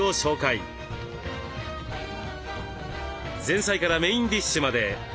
前菜からメインディッシュまで。